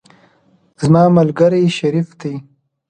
زما ملګری شریف دی.